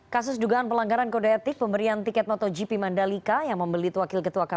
kepala kepala kepala kepala kepala kepala